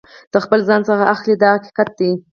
د خپل ځان څخه اخلي دا حقیقت دی.